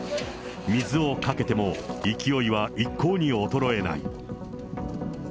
水をかけても勢いは一向に衰えない。